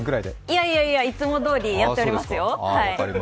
いやいやいや、いつもどおりやっていますよ。